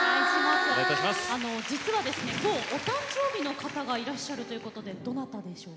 実はですね今日お誕生日の方がいらっしゃるということでどなたでしょう？